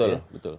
betul ya betul